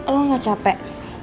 lo gak capek